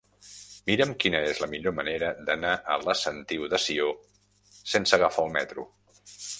Mira'm quina és la millor manera d'anar a la Sentiu de Sió sense agafar el metro.